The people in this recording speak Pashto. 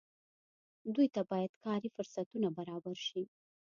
دوی ته باید کاري فرصتونه برابر شي.